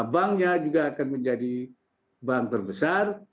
banknya juga akan menjadi bank terbesar